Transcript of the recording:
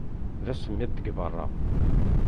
D asemmiḍ deg beṛṛa.